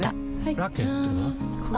ラケットは？